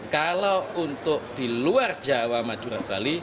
kalau untuk di luar jawa madura bali